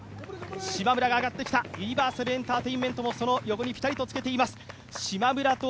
しまむらが上がってきた、ユニバーサルエンターテインメントもその横にぴたりとつけています。